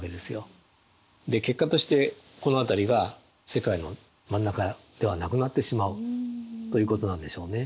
で結果としてこの辺りが世界の真ん中ではなくなってしまうということなんでしょうね。